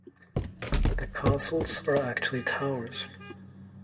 The "castles" are actually towers.